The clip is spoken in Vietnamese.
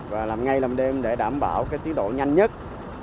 và làm ngay làm đêm để đảm bảo tiến độ nhanh nhất